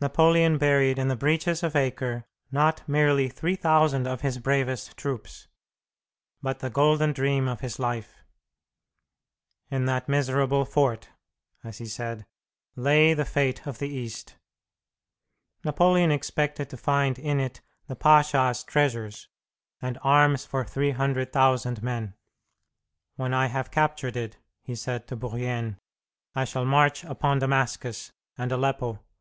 Napoleon buried in the breaches of Acre not merely 3,000 of his bravest troops, but the golden dream of his life. "In that miserable fort," as he said, "lay the fate of the East." Napoleon expected to find in it the pasha's treasures, and arms for 300,000 men. "When I have captured it," he said to Bourrienne, "I shall march upon Damascus and Aleppo.